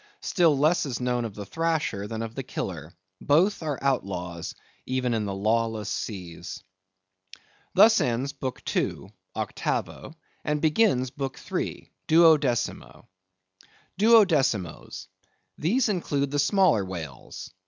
Still less is known of the Thrasher than of the Killer. Both are outlaws, even in the lawless seas. Thus ends BOOK II. (Octavo), and begins BOOK III. (Duodecimo). DUODECIMOES.—These include the smaller whales.